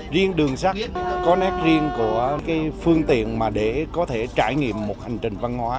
riêng đường sắt có nét riêng của phương tiện mà để có thể trải nghiệm một hành trình văn hóa